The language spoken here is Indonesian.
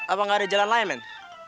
apa nggak ada jalan lain men